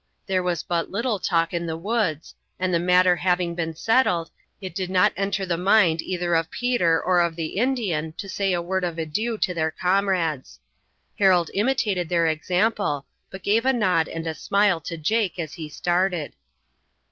There was but little talk in the woods, and the matter having been settled, it did not enter the mind either of Peter or of the Indian to say a word of adieu to their comrades. Harold imitated their example, but gave a nod and a smile to Jake as he started.